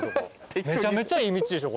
めちゃめちゃいい道でしょ